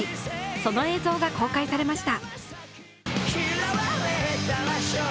その映像が公開されました。